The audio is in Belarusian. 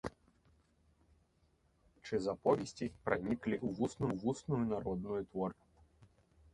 Прытчы з аповесці праніклі ў вусную народную творчасць.